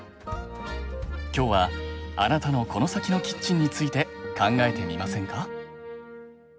今日はあなたのコノサキのキッチンについて考えてみませんか？